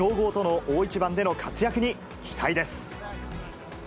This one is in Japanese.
強豪との大一番での活躍に期待です。